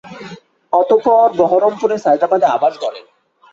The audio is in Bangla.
অতঃপর বহরমপুরের সাঈদাবাদে আবাস গড়েন।